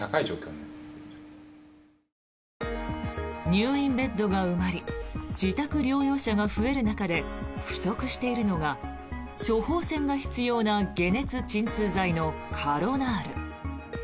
入院ベッドが埋まり自宅療養者が増える中で不足しているのが処方せんが必要な解熱・鎮痛剤のカロナール。